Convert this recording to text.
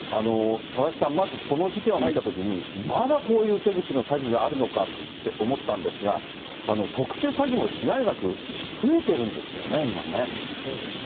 佐々木さん、まずこの事件を見たときに、まだこういう手口の詐欺があるのかって思ったんですが、特殊詐欺も被害額、増えてるんですよね、今ね。